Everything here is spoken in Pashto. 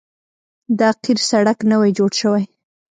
دا قیر سړک نوی جوړ شوی